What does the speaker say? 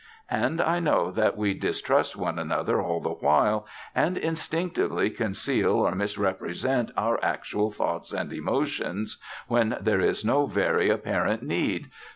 And I know that we distrust one another all the while, and instinctively conceal or misrepresent our actual thoughts and emotions when there is no very apparent need....